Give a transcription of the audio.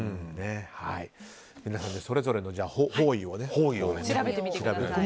皆さんそれぞれの方位を調べてみて。